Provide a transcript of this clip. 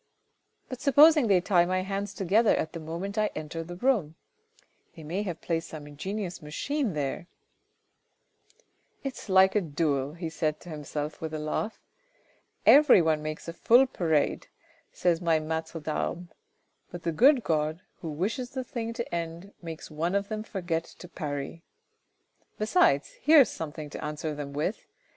" But supposing they tie my hands together at the moment I enter the room : they may have placed some ingenious machine there. IS IT A PLOT? 343 " It's like a duel," he said to himself with a laugh. " Every one makes a full parade, says my niatre tTarmes, but the good God, who wishes the thing to end, makes one of them forget to parry. Besides, here's something to answer them with."